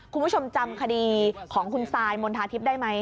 คุณผู้ชมจำคดีของคุณซายมณฑาทิพย์ได้ไหม